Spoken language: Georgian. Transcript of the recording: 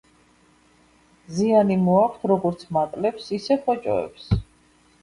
ზიანი მოაქვთ როგორც მატლებს, ისე ხოჭოებს.